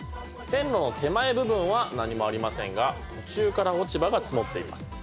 線路の手前部分は何もありませんが途中から落ち葉が積もっています。